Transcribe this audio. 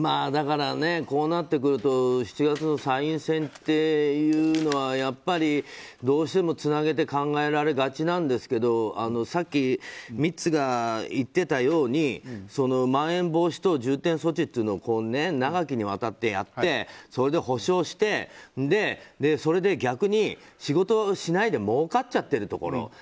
だからこうなってくると７月の参院選っていうのはやっぱり、どうしてもつなげて考えられがちなんですけどさっきミッツが言っていたようにまん延防止等重点措置というのを長きにわたってやってそれで補償して、それで逆に仕事しないで儲かっちゃってるところ。